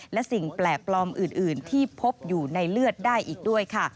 และสิ่งแปลกปลอมอื่นที่พบอยู่ในเลือดได้อีกด้วยค่ะ